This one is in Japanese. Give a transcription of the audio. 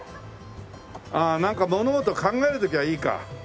ああなんか物事を考える時はいいか。